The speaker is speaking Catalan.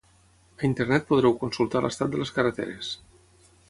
A internet podreu consultar l'estat de les carreteres.